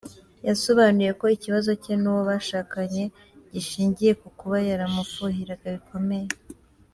Yasobanuye ko ikibazo cye n’uwo bashakanye gishingiye ku kuba yaramufuhiraga bikomeye.